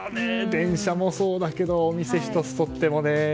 電車もそうだけどお店一つとってもね。